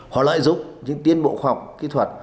họ lại giúp những tiến bộ khoa học kỹ thuật